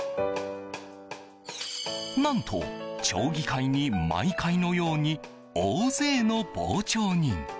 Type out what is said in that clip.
何と、町議会に毎回のように大勢の傍聴人。